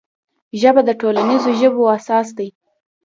ژبه د ټولنیزو اړیکو اساس دی